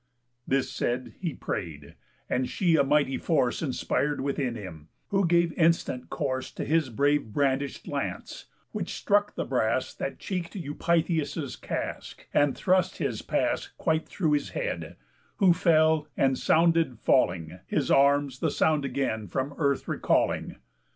This said, he pray'd; and she a mighty force Inspir'd within him, who gave instant course To his brave brandish'd lance, which struck the brass That cheek'd Eupitheus' casque, and thrust his pass Quite through his head; who fell, and sounded falling, His arms the sound again from earth recalling.